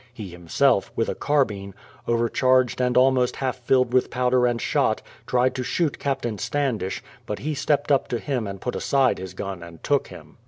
He himself, with a carbine, overcharged and almost half filled with powder and shot, tried to shoot Captain Standish ; but he stepped up to him and put aside his gun and took him.